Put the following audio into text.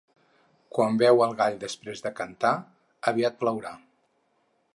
Quan beu el gall després de cantar, aviat plourà.